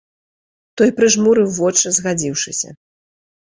Той прыжмурыў вочы, згадзіўшыся.